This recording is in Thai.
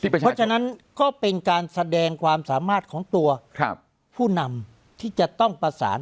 เพราะฉะนั้นก็เป็นการแสดงความสามารถของตัวผู้นำที่จะต้องประสาน